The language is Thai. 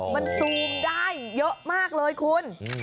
มันซูมได้เยอะมากเลยคุณ